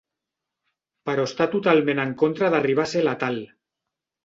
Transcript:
Però està totalment en contra d'arribar a ser letal.